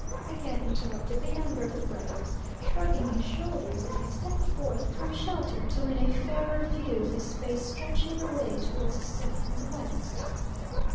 again interrupted the younger of the brothers, shrugging his shoulders as he stepped forth from shelter to win a fairer view of the space stretching away towards the south and the west.